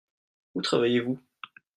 Où travaillez-vous ?